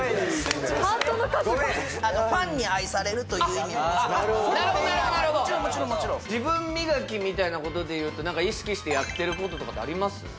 ファンに愛されるという意味ももちろん自分磨きみたいなことで言うと意識してやってることあります？